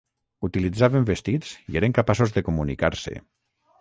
Utilitzaven vestits i eren capaços de comunicar-se.